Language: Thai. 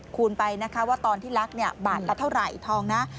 คูณไปว่าตอนที่ลักษณ์บันละเท่าไหร่ทองนะ